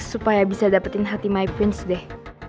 supaya bisa dapetin hati mypins deh